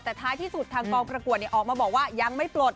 แต่ท้ายที่สุดทางกองประกวดออกมาบอกว่ายังไม่ปลด